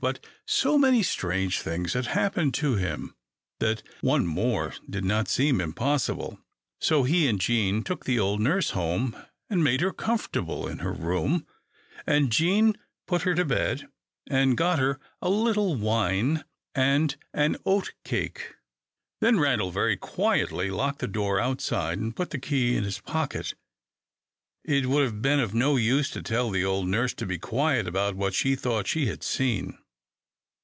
But so many strange things had happened to him, that one more did not seem impossible. So he and Jean took the old nurse home, and made her comfortable in her room, and Jean put her to bed, and got her a little wine and an oat cake. Then Randal very quietly locked the door outside, and put the key in his pocket. It would have been of no use to tell the old nurse to be quiet about what she thought she had seen.